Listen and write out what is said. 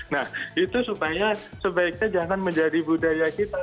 nah itu supaya sebaiknya jangan menjadi budaya kita